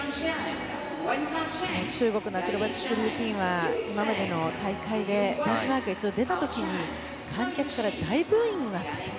中国のアクロバティックルーティンは今までの大会でベースマークが一度出た時に観客から大ブーイングがあったと。